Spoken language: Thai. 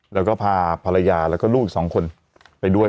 แล้วก็พาภรรยาแล้วก็ลูกอีก๒คนไปด้วย